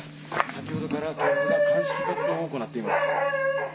先ほどから鑑識活動を行っています。